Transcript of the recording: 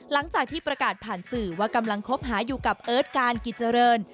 หลังจากที่ประกาศผ่านสื่อว่ากำลังคบหาอยู่กับเอิร์ทการกิจเจริญ